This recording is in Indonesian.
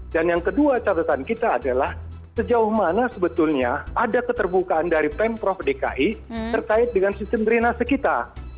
dan yang kedua catatan kita adalah sejauh mana sebetulnya ada keterbukaan dari pemprov dki terkait dengan sistem drainasi kita